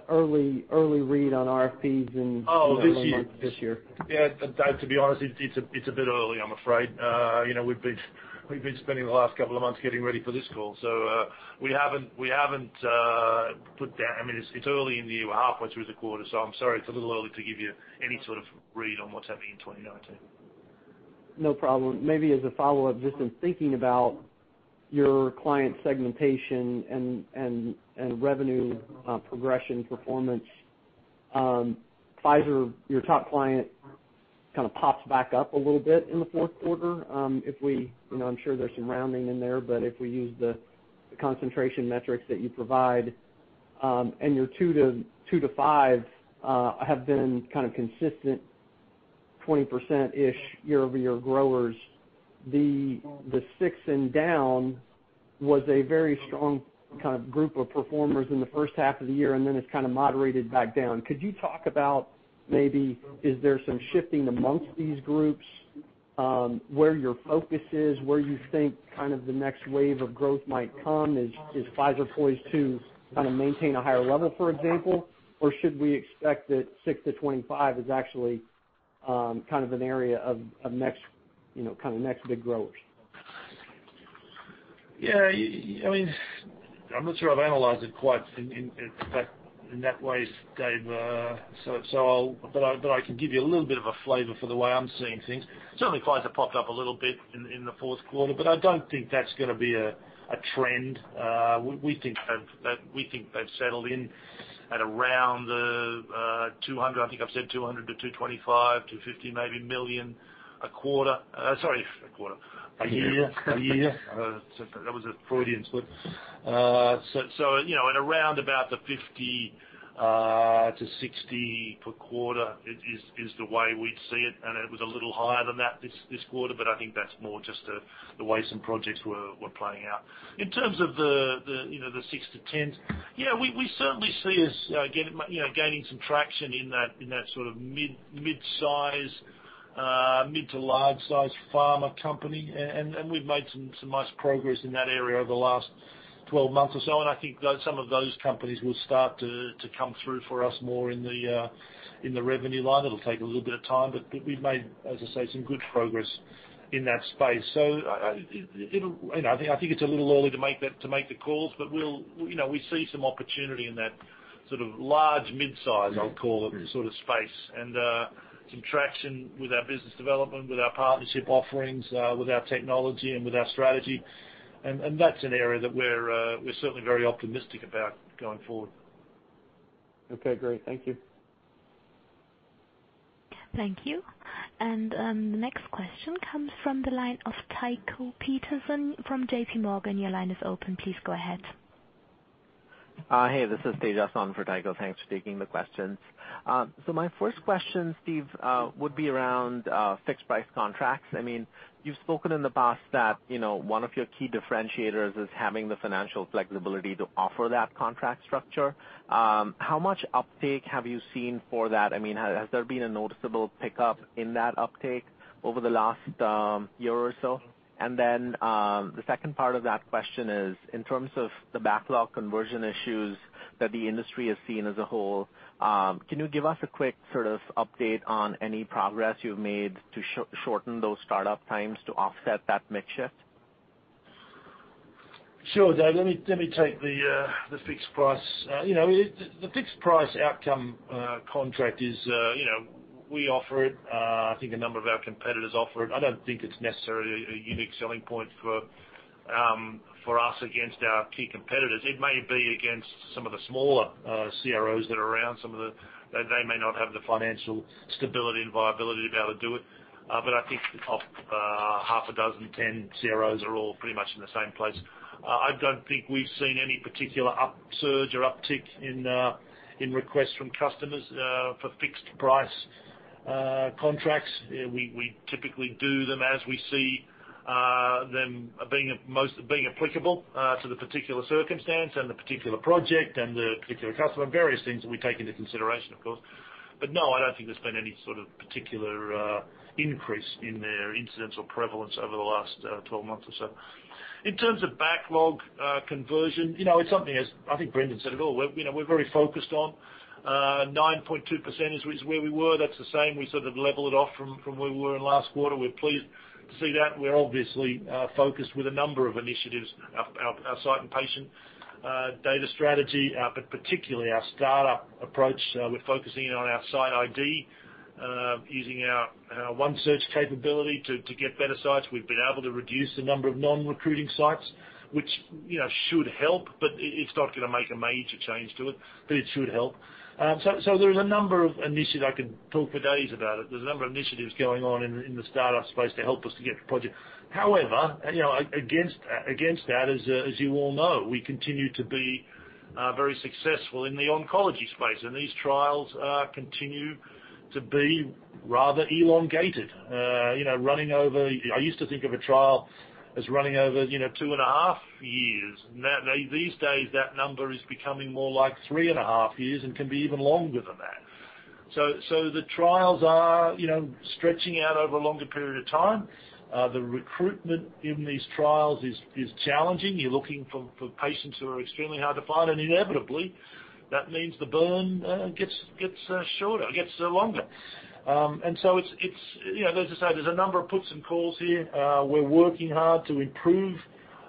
Early read on RFPs in- Oh, this year this year. Yeah, Dave, to be honest, it's a bit early, I'm afraid. We've been spending the last couple of months getting ready for this call. It's early in the year. We're halfway through the quarter, I'm sorry, it's a little early to give you any sort of read on what's happening in 2019. No problem. Maybe as a follow-up, just in thinking about your client segmentation and revenue progression performance. Pfizer, your top client, kind of pops back up a little bit in the fourth quarter. I'm sure there's some rounding in there, but if we use the concentration metrics that you provide, your two to five have been kind of consistent 20%-ish year-over-year growers. The six and down was a very strong group of performers in the first half of the year, then it's kind of moderated back down. Could you talk about maybe, is there some shifting amongst these groups? Where your focus is, where you think the next wave of growth might come? Is Pfizer poised to maintain a higher level, for example? Or should we expect that six to 25 is actually an area of next big growers? Yeah. I'm not sure I've analyzed it quite in that way, Dave. I can give you a little bit of a flavor for the way I'm seeing things. Certainly, Pfizer popped up a little bit in the fourth quarter, but I don't think that's going to be a trend. We think they've settled in at around 200 million. I think I've said 200 million to 225 million, EUR 250 million, maybe, a quarter. Sorry, a quarter. A year. A year. That was a Freudian slip. At around about the 50-60 per quarter is the way we'd see it was a little higher than that this quarter, I think that's more just the way some projects were playing out. In terms of the 6-10, yeah, we certainly see us gaining some traction in that mid-size, mid to large size pharma company, we've made some nice progress in that area over the last 12 months or so, I think some of those companies will start to come through for us more in the revenue line. It'll take a little bit of time, we've made, as I say, some good progress in that space. I think it's a little early to make the calls, we see some opportunity in that large mid-size, I'll call it, sort of space, some traction with our business development, with our partnership offerings, with our technology, with our strategy. That's an area that we're certainly very optimistic about going forward. Okay, great. Thank you. Thank you. The next question comes from the line of Tycho Peterson from JPMorgan. Your line is open. Please go ahead. Hey, this is Tejas on for Tycho. Thanks for taking the questions. My first question, Steve, would be around fixed price contracts. You've spoken in the past that one of your key differentiators is having the financial flexibility to offer that contract structure. How much uptake have you seen for that? Has there been a noticeable pickup in that uptake over the last year or so? The second part of that question is, in terms of the backlog conversion issues that the industry has seen as a whole, can you give us a quick sort of update on any progress you've made to shorten those startup times to offset that mix shift? Sure, Tejas. The fixed price outcome contract is, we offer it. I think a number of our competitors offer it. I don't think it's necessarily a unique selling point for us against our key competitors. It may be against some of the smaller CROs that are around. They may not have the financial stability and viability to be able to do it. I think half a dozen, 10 CROs are all pretty much in the same place. I don't think we've seen any particular upsurge or uptick in requests from customers for fixed price contracts. We typically do them as we see them being applicable to the particular circumstance and the particular project and the particular customer. Various things that we take into consideration, of course. No, I don't think there's been any sort of particular increase in their incidence or prevalence over the last 12 months or so. In terms of backlog conversion, it's something, as I think Brendan said it all, we're very focused on. 9.2% is where we were. That's the same. We sort of level it off from where we were in last quarter. We're pleased to see that. We're obviously focused with a number of initiatives, our site and patient data strategy, but particularly our startup approach. We're focusing in on our site ID, using our OneSearch capability to get better sites. We've been able to reduce the number of non-recruiting sites, which should help, but it's not going to make a major change to it, but it should help. There is a number of initiatives. I could talk for days about it. There's a number of initiatives going on in the startup space to help us to get the project. However, against that, as you all know, we continue to be very successful in the oncology space, and these trials continue to be rather elongated. I used to think of a trial as running over two and a half years. Now these days, that number is becoming more like three and a half years and can be even longer than that. The trials are stretching out over a longer period of time. The recruitment in these trials is challenging. You're looking for patients who are extremely hard to find, and inevitably, that means the burn gets longer. As I say, there's a number of puts and calls here. We're working hard to improve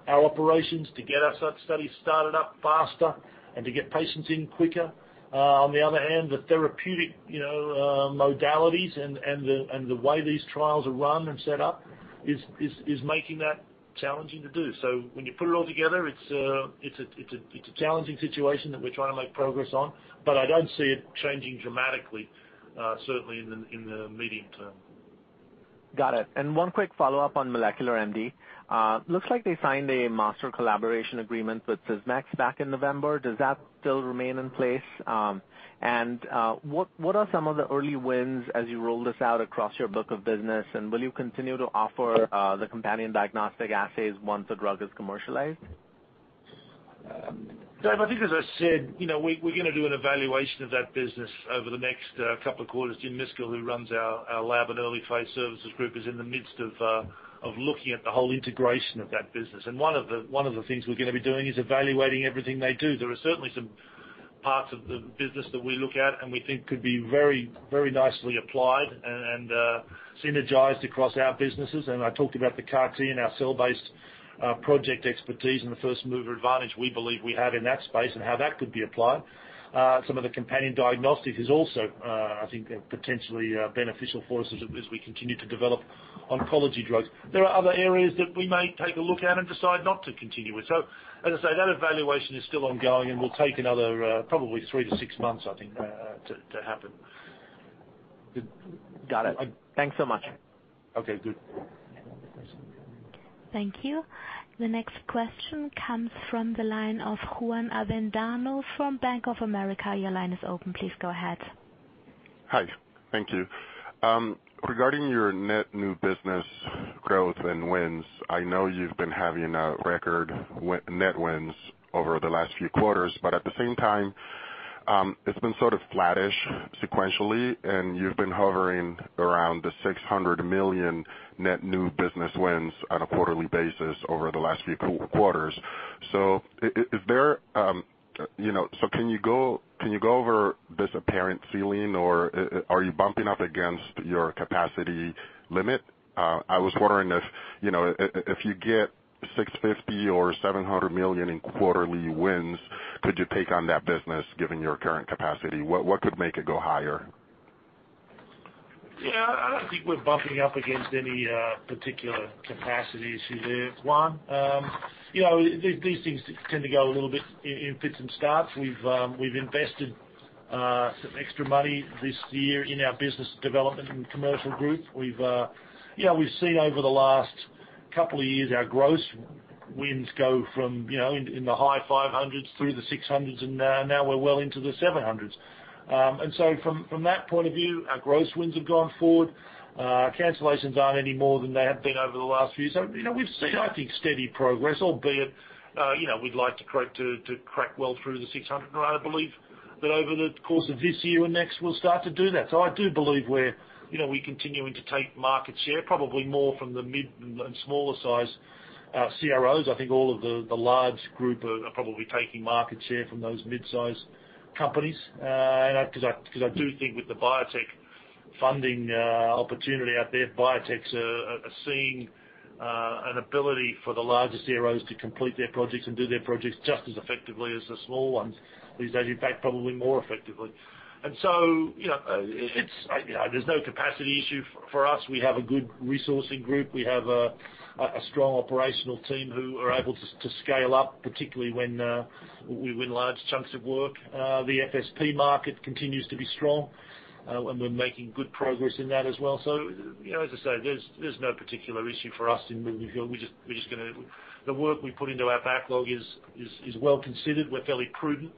our operations to get our site studies started up faster and to get patients in quicker. On the other hand, the therapeutic modalities and the way these trials are run and set up is making that challenging to do. When you put it all together, it's a challenging situation that we're trying to make progress on, but I don't see it changing dramatically, certainly in the medium term. Got it. One quick follow-up on MolecularMD. Looks like they signed a master collaboration agreement with Sysmex back in November. Does that still remain in place? What are some of the early wins as you roll this out across your book of business, and will you continue to offer the companion diagnostic assays once a drug is commercialized? Tejas, I think as I said, we're going to do an evaluation of that business over the next couple of quarters. Jim Miskel, who runs our lab and early phase services group, is in the midst of looking at the whole integration of that business. One of the things we're going to be doing is evaluating everything they do. There are certainly some parts of the business that we look at and we think could be very nicely applied and synergized across our businesses. I talked about the CAR T and our cell-based project expertise and the first-mover advantage we believe we have in that space and how that could be applied. Some of the companion diagnostic is also, I think, potentially beneficial for us as we continue to develop oncology drugs. There are other areas that we may take a look at and decide not to continue with. As I say, that evaluation is still ongoing and will take another probably three to six months, I think, to happen. Got it. Thanks so much. Okay, good. Thank you. The next question comes from the line of Juan Avendano from Bank of America. Your line is open. Please go ahead. Hi. Thank you. Regarding your net new business growth and wins, I know you've been having a record net wins over the last few quarters, but at the same time, it's been sort of flattish sequentially, and you've been hovering around the $600 million net new business wins on a quarterly basis over the last few quarters. Can you go over this apparent ceiling, or are you bumping up against your capacity limit? I was wondering if you get $650 million or $700 million in quarterly wins, could you take on that business given your current capacity? What could make it go higher? Yeah, I don't think we're bumping up against any particular capacity issue there, Juan. These things tend to go a little bit in fits and starts. We've invested some extra money this year in our business development and commercial group. We've seen over the last couple of years our gross wins go from in the high $500s through the $600s, and now we're well into the $700s. From that point of view, our gross wins have gone forward. Our cancellations aren't any more than they have been over the last few. We've seen, I think, steady progress, albeit we'd like to crack well through the $600. I believe that over the course of this year and next, we'll start to do that. I do believe we're continuing to take market share, probably more from the mid and smaller size CROs. I think all of the large group are probably taking market share from those mid-size companies. I do think with the biotech funding opportunity out there, biotechs are seeing an ability for the larger CROs to complete their projects and do their projects just as effectively as the small ones. These days, in fact, probably more effectively. There's no capacity issue for us. We have a good resourcing group. We have a strong operational team who are able to scale up, particularly when we win large chunks of work. The FSP market continues to be strong. We're making good progress in that as well. As I say, there's no particular issue for us in moving forward. The work we put into our backlog is well considered. We're fairly prudent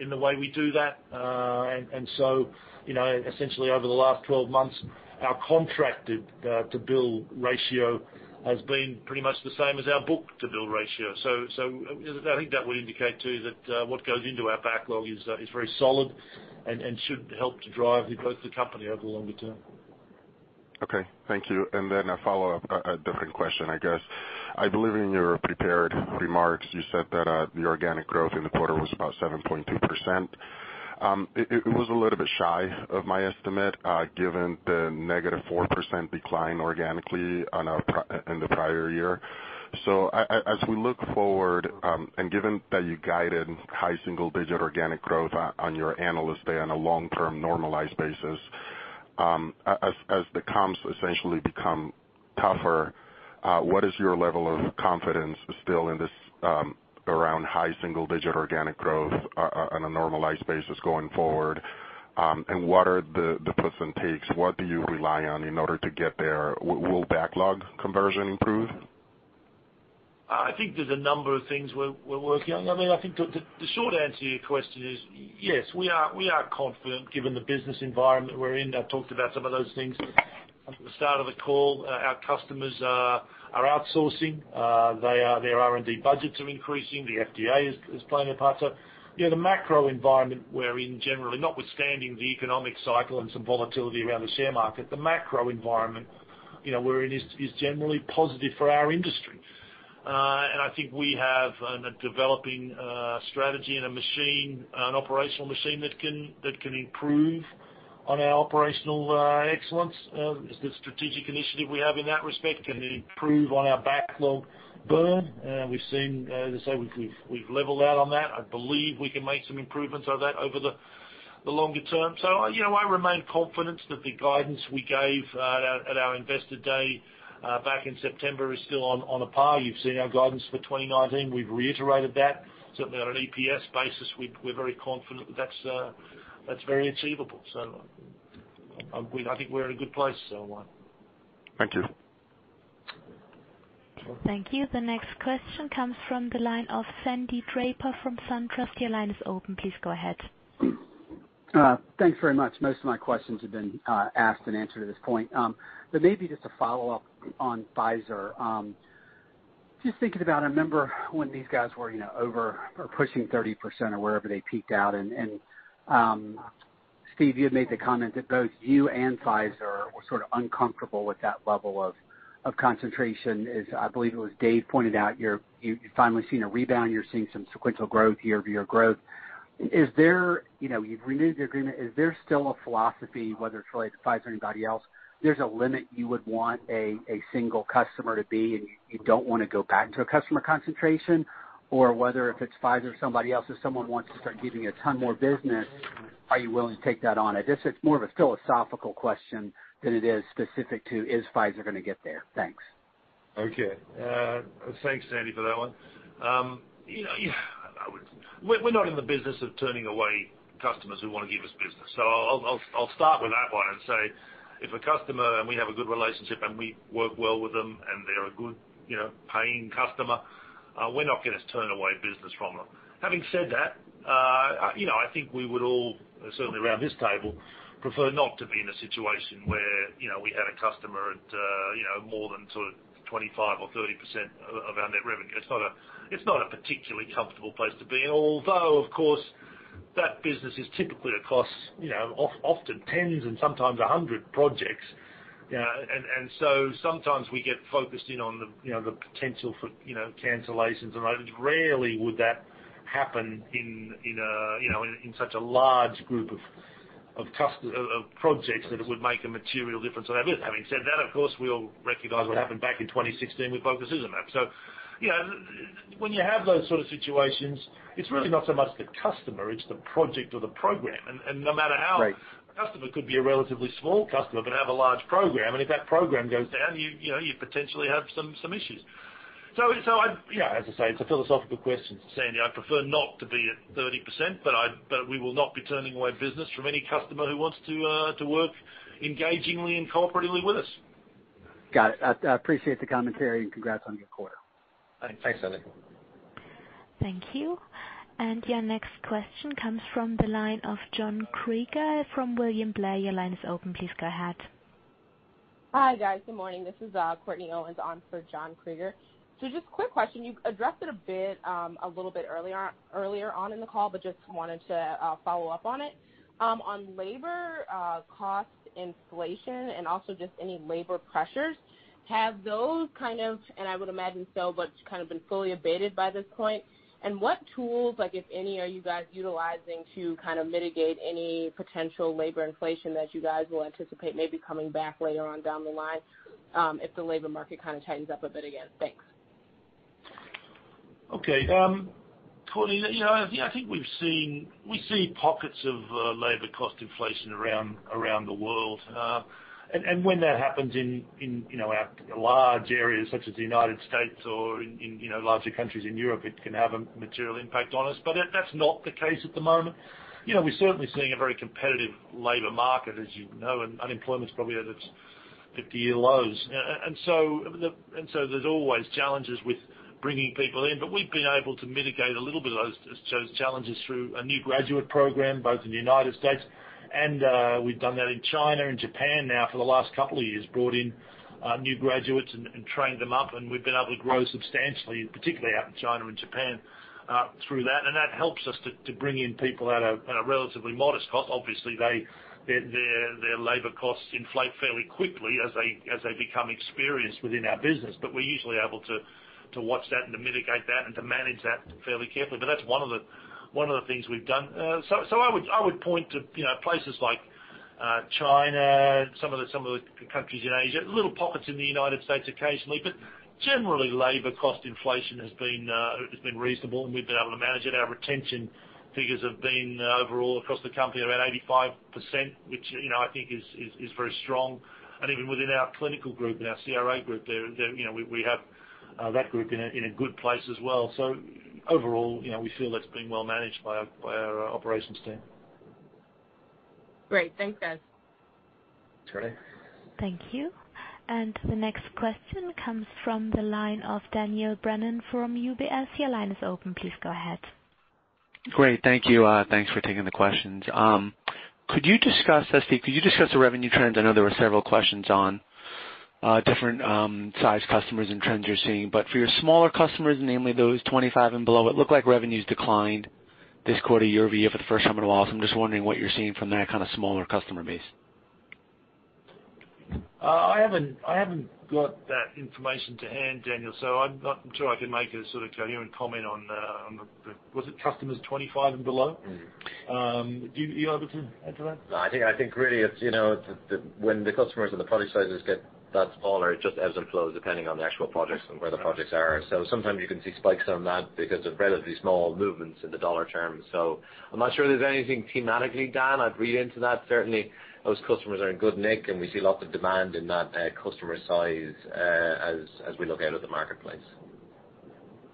in the way we do that. Essentially over the last 12 months, our contracted to bill ratio has been pretty much the same as our book-to-bill ratio. I think that would indicate, too, that what goes into our backlog is very solid and should help to drive the growth of the company over the longer term. Okay. Thank you. A follow-up, a different question, I guess. I believe in your prepared remarks, you said that the organic growth in the quarter was about 7.2%. It was a little bit shy of my estimate, given the negative 4% decline organically in the prior year. As we look forward, and given that you guided high single-digit organic growth on your analyst day on a long-term normalized basis, as the comps essentially become tougher, what is your level of confidence still around high single-digit organic growth on a normalized basis going forward? What are the plus and takes? What do you rely on in order to get there? Will backlog conversion improve? I think there's a number of things we're working on. I think the short answer to your question is yes, we are confident given the business environment we're in. I talked about some of those things at the start of the call. Our customers are outsourcing. Their R&D budgets are increasing. The FDA is playing a part. The macro environment we're in, generally, notwithstanding the economic cycle and some volatility around the share market, the macro environment we're in is generally positive for our industry. I think we have a developing strategy and an operational machine that can improve on our operational excellence. There's a strategic initiative we have in that respect. Can it improve on our backlog burn? As I say, we've leveled out on that. I believe we can make some improvements on that over the longer term. I remain confident that the guidance we gave at our Investor Day back in September is still on par. You've seen our guidance for 2019. We've reiterated that. Certainly, on an EPS basis, we're very confident that's very achievable. I think we're in a good place, Juan. Thank you. Thank you. The next question comes from the line of Sandy Draper from SunTrust. Your line is open. Please go ahead. Thanks very much. Most of my questions have been asked and answered at this point. Maybe just a follow-up on Pfizer. Just thinking about, I remember when these guys were over or pushing 30% or wherever they peaked out, and Steve, you had made the comment that both you and Pfizer were sort of uncomfortable with that level of concentration. As I believe it was Dave pointed out, you're finally seeing a rebound. You're seeing some sequential growth, year-over-year growth. You've renewed the agreement. Is there still a philosophy, whether it's related to Pfizer or anybody else, there's a limit you would want a single customer to be, and you don't want to go back to a customer concentration? Whether if it's Pfizer or somebody else, if someone wants to start giving you a ton more business, are you willing to take that on? I guess it's more of a philosophical question than it is specific to, is Pfizer going to get there? Thanks. Okay. Thanks, Sandy, for that one. We're not in the business of turning away customers who want to give us business. I'll start with that one and say, if a customer and we have a good relationship and we work well with them and they're a good paying customer, we're not going to turn away business from them. Having said that, I think we would all, certainly around this table, prefer not to be in a situation where we had a customer at more than sort of 25% or 30% of our net revenue. It's not a particularly comfortable place to be, although, of course, that business is typically across often tens and sometimes 100 projects. Sometimes we get focused in on the potential for cancellations and others. Rarely would that happen in such a large group of projects that it would make a material difference on our business. Having said that, of course, we all recognize what happened back in 2016 with bococizumab. When you have those sort of situations, it's really not so much the customer, it's the project or the program. Right A customer could be a relatively small customer, but have a large program, and if that program goes down, you potentially have some issues. As I say, it's a philosophical question, Sandy. I prefer not to be at 30%, but we will not be turning away business from any customer who wants to work engagingly and cooperatively with us. Got it. I appreciate the commentary, and congrats on a good quarter. Thanks, Sandy. Thank you. Your next question comes from the line of John Kreger from William Blair. Your line is open. Please go ahead. Hi, guys. Good morning. This is Courtney Owens on for John Kreger. Just a quick question. You addressed it a bit, a little bit earlier on in the call, but just wanted to follow up on it. On labor cost inflation and also just any labor pressures, have those, and I would imagine so, but kind of been fully abated by this point? What tools, if any, are you guys utilizing to mitigate any potential labor inflation that you guys will anticipate maybe coming back later on down the line, if the labor market tightens up a bit again? Thanks. Okay. Courtney, I think we see pockets of labor cost inflation around the world. When that happens in our large areas, such as the United States or in larger countries in Europe, it can have a material impact on us. That's not the case at the moment. We're certainly seeing a very competitive labor market, as you know, and unemployment's probably at its 50-year lows. There's always challenges with bringing people in, but we've been able to mitigate a little bit of those challenges through a new graduate program, both in the United States and we've done that in China and Japan now for the last couple of years. Brought in new graduates and trained them up, and we've been able to grow substantially, particularly out in China and Japan, through that. That helps us to bring in people at a relatively modest cost. Obviously, their labor costs inflate fairly quickly as they become experienced within our business, but we're usually able to watch that and to mitigate that and to manage that fairly carefully. That's one of the things we've done. I would point to places like China, some of the countries in Asia, little pockets in the United States occasionally. Generally, labor cost inflation has been reasonable, and we've been able to manage it. Our retention figures have been overall, across the company, around 85%, which I think is very strong. Even within our clinical group and our CRA group there, we have that group in a good place as well. Overall, we feel that's been well managed by our operations team. Great. Thanks, guys. Thanks. Thank you. The next question comes from the line of Daniel Brennan from UBS. Your line is open. Please go ahead. Great. Thank you. Thanks for taking the questions. Steve, could you discuss the revenue trends? I know there were several questions on different size customers and trends you're seeing. For your smaller customers, namely those 25 and below, it looked like revenues declined this quarter year-over-year for the first time in a while. I'm just wondering what you're seeing from that kind of smaller customer base. I haven't got that information to hand, Daniel, I'm not sure I can make a coherent comment on the, was it customers 25 and below? Do you happen to add to that? I think really it's when the customers and the product sizes get that smaller, it just ebbs and flows depending on the actual projects and where the projects are. Sometimes you can see spikes on that because of relatively small movements in the dollar terms. I'm not sure there's anything thematically, Dan, I'd read into that. Certainly, those customers are in good nick, and we see lots of demand in that customer size as we look out at the marketplace.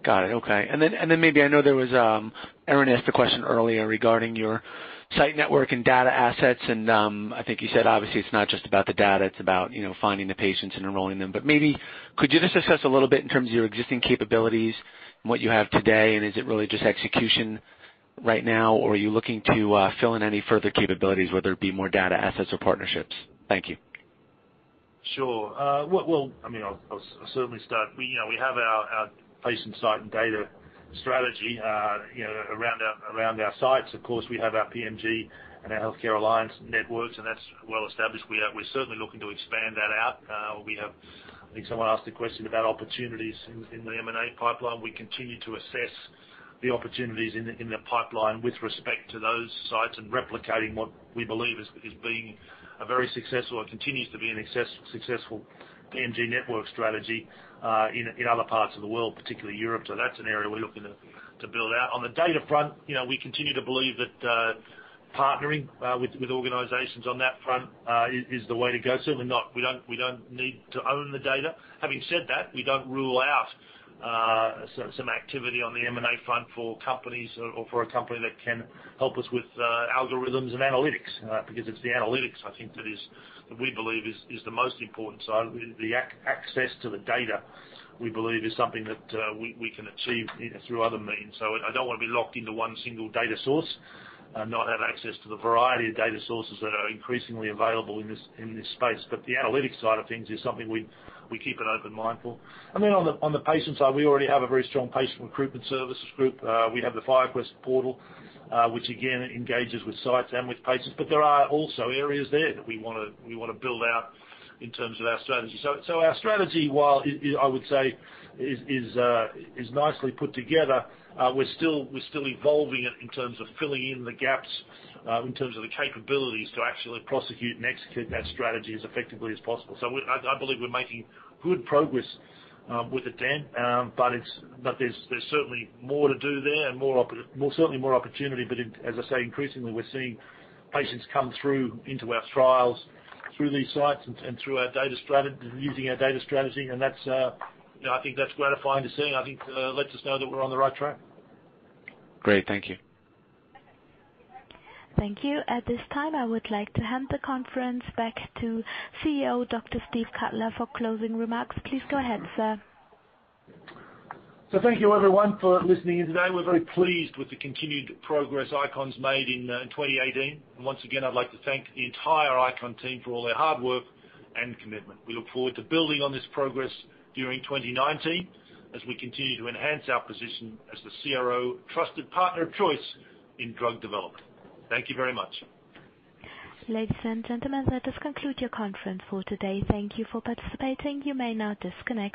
Got it. Okay. Maybe, I know Erin asked a question earlier regarding your site network and data assets, and I think you said, obviously, it's not just about the data, it's about finding the patients and enrolling them. Maybe could you just discuss a little bit in terms of your existing capabilities and what you have today, and is it really just execution right now, or are you looking to fill in any further capabilities, whether it be more data assets or partnerships? Thank you. Sure. I'll certainly start. We have our patient site and data strategy around our sites. Of course, we have our PMG and our healthcare alliance networks, and that's well established. We're certainly looking to expand that out. I think someone asked a question about opportunities in the M&A pipeline. We continue to assess the opportunities in the pipeline with respect to those sites and replicating what we believe has been a very successful, and continues to be a successful PMG network strategy, in other parts of the world, particularly Europe. That's an area we're looking to build out. On the data front, we continue to believe that partnering with organizations on that front is the way to go. Certainly, we don't need to own the data. Having said that, we don't rule out some activity on the M&A front for companies or for a company that can help us with algorithms and analytics. It's the analytics, I think, that we believe is the most important side. The access to the data, we believe is something that we can achieve through other means. I don't want to be locked into one single data source and not have access to the variety of data sources that are increasingly available in this space. The analytics side of things is something we keep an open mind for. On the patient side, we already have a very strong patient recruitment services group. We have the FIRECREST portal, which again, engages with sites and with patients. There are also areas there that we want to build out in terms of our strategy. Our strategy, I would say, is nicely put together. We're still evolving it in terms of filling in the gaps, in terms of the capabilities to actually prosecute and execute that strategy as effectively as possible. I believe we're making good progress with it, Dan. There's certainly more to do there and certainly more opportunity. As I say, increasingly, we're seeing patients come through into our trials through these sites and using our data strategy, and I think that's gratifying to see, and I think lets us know that we're on the right track. Great. Thank you. Thank you. At this time, I would like to hand the conference back to CEO Dr. Steve Cutler for closing remarks. Please go ahead, sir. Thank you, everyone, for listening in today. We are very pleased with the continued progress ICON's made in 2018. Once again, I'd like to thank the entire ICON team for all their hard work and commitment. We look forward to building on this progress during 2019 as we continue to enhance our position as the CRO trusted partner of choice in drug development. Thank you very much. Ladies and gentlemen, that does conclude your conference for today. Thank you for participating. You may now disconnect.